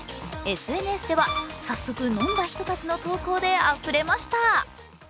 ＳＮＳでは、早速飲んだ人たちの投稿であふれました。